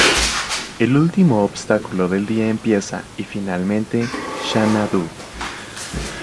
El último obstáculo del día empieza, y finalmente Xanadu.